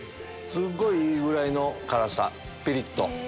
すっごいいいぐらいの辛さピリっと。